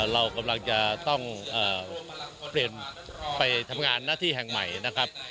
เรากำลังจะต้องเปลี่ยนไปทำงานหน้าที่แห่งใหม่นะครับ